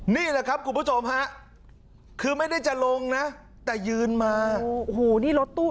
นี่แหละครับคุณผู้ชมฮะคือไม่ได้จะลงนะแต่ยืนมาโอ้โหนี่รถตู้